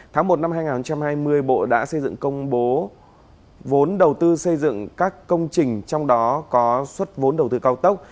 tháng một năm hai nghìn hai mươi bộ đã xây dựng công bố vốn đầu tư xây dựng các công trình trong đó có xuất vốn đầu tư cao tốc